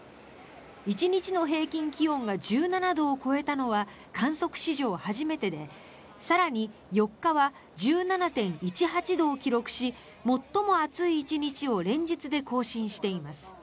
１日の平均気温が１７度を超えたのは観測史上初めてで更に４日は１７．１８度を記録し最も暑い１日を連日で更新しています。